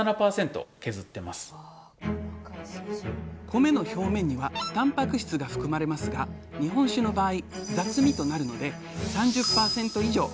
米の表面にはたんぱく質が含まれますが日本酒の場合雑味となるので３０％以上削ります。